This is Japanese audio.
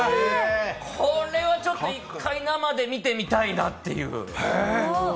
これはちょっと１回、生で見てみたいなという。